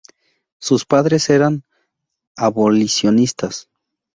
Sus padres eran abolicionistas.